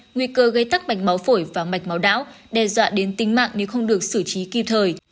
nguy cơ gây tắc mạch máu phổi và mạch máu não đe dọa đến tính mạng nếu không được xử trí kịp thời